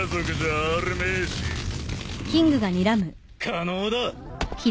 可能だ！